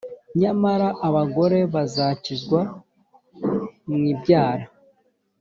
nyamara abagore bazakizwa mu ibyara